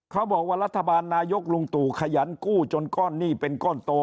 เขาบอกว่ารัฐบาลนายกลุงตู่ขยันกู้จนก้อนหนี้เป็นก้อนโต